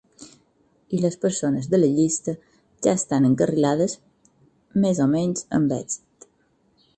I les persones de la llista ja estan encarrilades, més o menys, amb èxit.